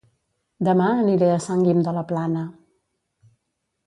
Dema aniré a Sant Guim de la Plana